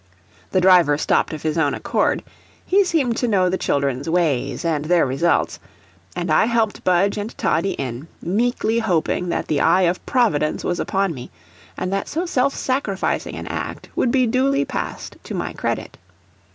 The driver stopped of his own accord, he seemed to know the children's ways and their results, and I helped Budge and Toddie in, meekly hoping that the eye of Providence was upon me, and that so self sacrificing an act would be duly passed to my credit.